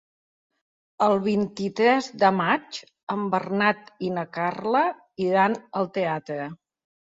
El vint-i-tres de maig en Bernat i na Carla iran al teatre.